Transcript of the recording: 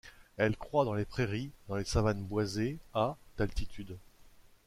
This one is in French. Elle croît dans les prairies, dans les savanes boisées, à - d’altitude.